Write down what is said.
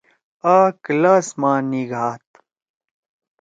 آ کلاس ما نِگھاد۔